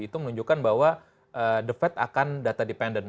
itu menunjukkan bahwa the fed akan data dependen